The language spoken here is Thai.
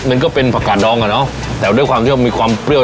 มันก็เป็นผักกาดดองอ่ะเนอะแต่ด้วยความที่ว่ามีความเปรี้ยว